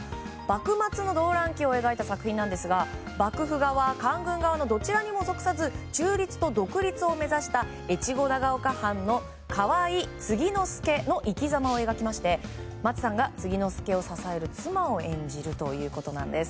幕末の動乱期を描いた作品なんですが幕府側、官軍側のどちらにも属さず中立と独立を目指した河井継之助の生きざまを描き松さんが継之助を支える妻を演じるということなんです。